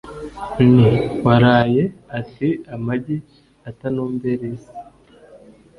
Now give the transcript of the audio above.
nti : waraye, ati; amagi atanumbers